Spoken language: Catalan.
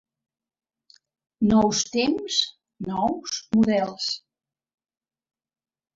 Nous temps, nous models.